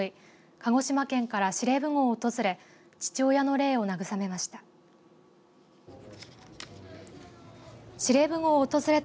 鹿児島県から司令部ごうを訪れ父親の霊を慰めました。